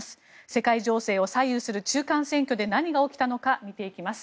世界情勢を左右する中間選挙で何が起きたのか見ていきます。